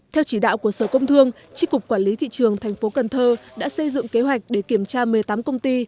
theo chỉ đạo của sở công thương tri cục quản lý thị trường tp cn đã xây dựng kế hoạch để kiểm tra một mươi tám công ty